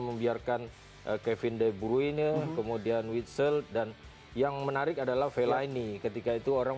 membiarkan kevin de bruine kemudian witsel dan yang menarik adalah vela ini ketika itu orang